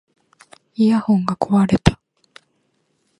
イヤホンが壊れた